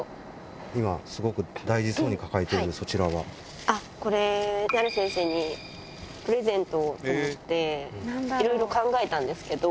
今、すごく大事そうに抱えてこれ、ナレ先生にプレゼントをと思って、いろいろ考えたんですけど。